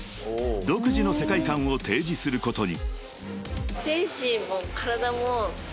［独自の世界観を提示することに］